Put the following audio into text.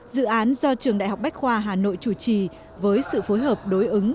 dự án do trường đại học bách khoa hà nội chủ trì với sự phối hợp đối ứng